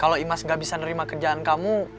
kalau imas gak bisa nerima kerjaan kamu